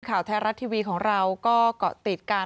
ข่าวไทยรัฐทีวีของเราก็เกาะติดกัน